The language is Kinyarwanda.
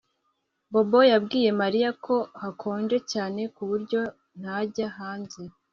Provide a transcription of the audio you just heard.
Bobo yabwiye Mariya ko hakonje cyane ku buryo ntajya hanze